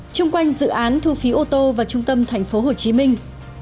chung quanh dự án thu phí ô tô vào trung tâm thành phố hồ chí minh